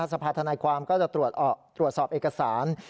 สภาธนายความก็จะตรวจสอบเอกสาร